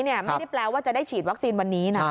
ไม่ได้แปลว่าจะได้ฉีดวัคซีนวันนี้นะ